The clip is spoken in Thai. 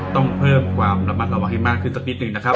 ต้องเพิ่มความระมัดระวังให้มากขึ้นสักนิดนึงนะครับ